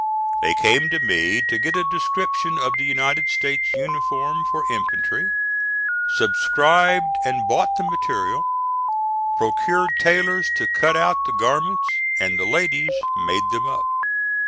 They came to me to get a description of the United States uniform for infantry; subscribed and bought the material; procured tailors to cut out the garments, and the ladies made them up.